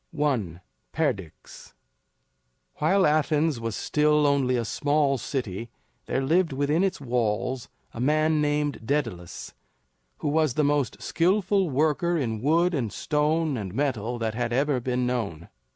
I. PERDIX. While Athens was still only a small city there lived within its walls a man named Daedalus who was the most skillful worker in wood and stone and metal that had ever been known.